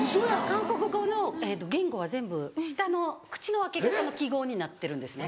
韓国語の言語は全部舌の口の開け方の記号になってるんですね。